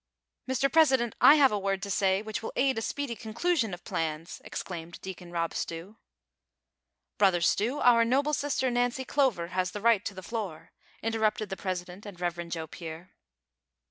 "Mr. President, I have a word to say which will aid a speedy conclusion of plans," exclaimed Deacon Eob Stew. " Brother Stew, our noble sister Xancy Clover has the right to the floor," interrupted the president and Rev. Joe Pier.